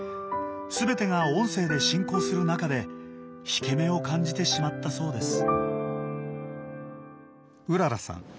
全てが音声で進行する中で引け目を感じてしまったそうです。